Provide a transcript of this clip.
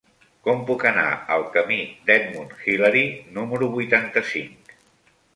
Com puc anar al camí d'Edmund Hillary número vuitanta-cinc?